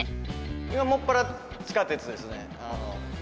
今もっぱら地下鉄ですね。